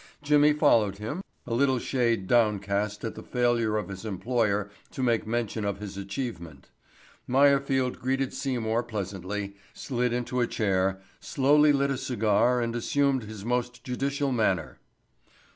Jimmy followed him, a little shade downcast at the failure of his employer to make mention of his achievement. Meyerfield greeted Seymour pleasantly, slid into a chair, slowly lit a cigar and assumed his most judicial manner.